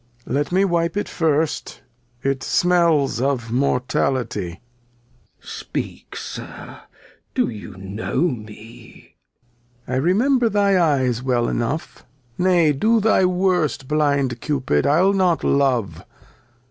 Lear. Let me wipe it first ; it smeUs of Mortality. Glost. Speak, Sir, do you know me ? Lear. I remember thy Eyes well enough: Nay, do thy worst, blind Cupid, I'll not love.